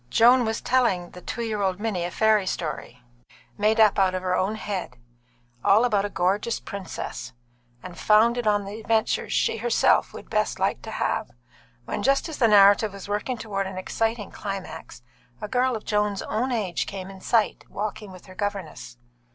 Joan was telling the two year old Minnie a fairy story, made up out of her own head, all about a gorgeous princess, and founded on the adventures she herself would best like to have, when, just as the narrative was working towards an exciting climax, a girl of Joan's own age came in sight, walking with her governess.